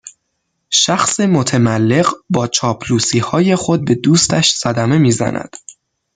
شخص متملق با چاپلوسیهای خود به دوستش صدمه میزند